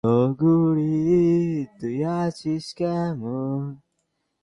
এটা একা কারও পক্ষে করা সম্ভব না, এমনকি সরকারের একার পক্ষেও না।